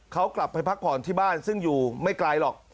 เขากลับไปพักผ่อนที่บ้านซึ่งอยู่ไม่ไกลหรอก